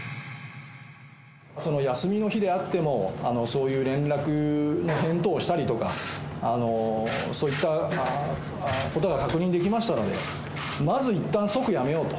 休みの日であっても、そういう連絡の返答をしたりとか、そういったことが確認できましたので、まずいったん即やめようと。